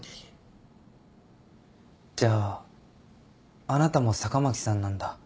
じゃああなたも坂巻さんなんだ。